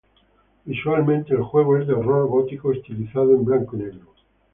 Visualmente el juego es de horror gótico estilizado en blanco y negro.